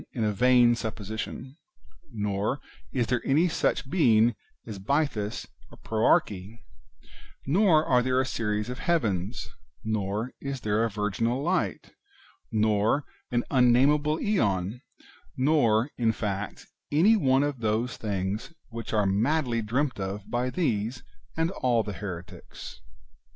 239 which has been shown a vain supposition ; nor is there any such being as Bythus or Proarche ; nor are there a series of heavens ; nor is there a virginal light/ nor an unnameable ^on, nor, in fact, any one of those things which are madly dreamt of by these, and by all the heretics.